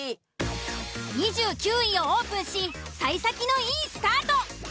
２９位をオープンしさい先のいいスタート。